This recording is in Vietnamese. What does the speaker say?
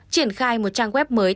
triển khai một trang web mới